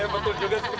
betul juga sih be